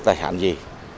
tài sản gì